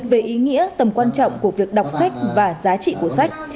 về ý nghĩa tầm quan trọng của việc đọc sách và giá trị của sách